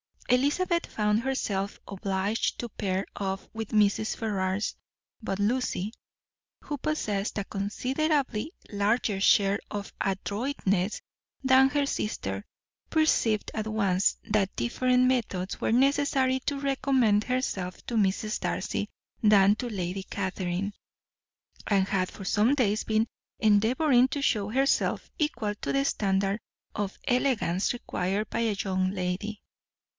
Elizabeth found herself obliged to pair off with Mrs. Ferrars, but Lucy, who possessed a considerably larger share of adroitness than her sister, perceived at once that different methods were necessary to recommend herself to Mrs. Darcy than to Lady Catherine, and had for some days been endeavouring to show herself equal to the standard of elegance required by a young lady.